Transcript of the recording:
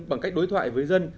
bằng cách đối thoại với dân